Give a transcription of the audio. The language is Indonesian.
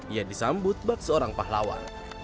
ia disambut bak seorang pahlawan